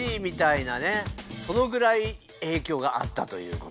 そのぐらいえいきょうがあったということか。